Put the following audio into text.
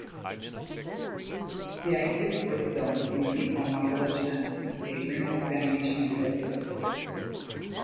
The idea for the film was conceived by Michael Lachance, a DreamWorks Animation executive.